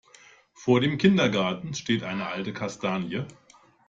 Vor dem Kindergarten steht eine alte Kastanie.